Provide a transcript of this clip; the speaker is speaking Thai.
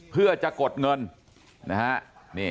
เพื่อจะกดเงิน